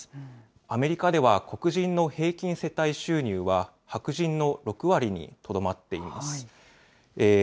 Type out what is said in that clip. アメリカでは、黒人の平均世帯収入は、白人の６割にとどまっています。